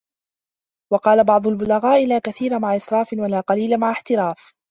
وَقَالَ بَعْضُ الْبُلَغَاءِ لَا كَثِيرَ مَعَ إسْرَافٍ وَلَا قَلِيلَ مَعَ احْتِرَافٍ